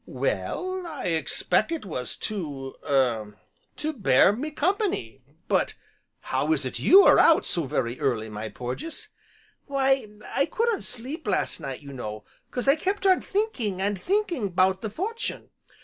"Well, I expect it was to er to bear me company. But how is it you are out so very early, my Porges?" "Why, I couldn't sleep, last night, you know, 'cause I kept on thinking, and thinking 'bout the fortune.